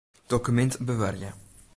Dokumint bewarje.